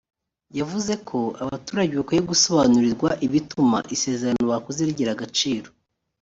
yavuze ko abaturage bakwiye gusobanurirwa ibituma isezerano bakoze rigira agaciro